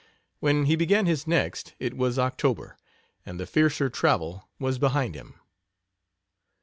When he began his next it was October, and the fiercer travel was behind him.